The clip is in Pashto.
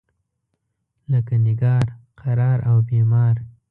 لکه نګار، قرار او بیمار.